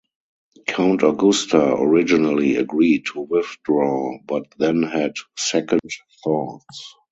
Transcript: Count Agusta originally agreed to withdraw, but then had second thoughts.